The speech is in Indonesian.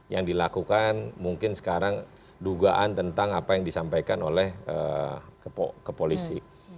yang dilakukan mungkin sekarang dugaan tentang apa yang disampaikan oleh ke polisi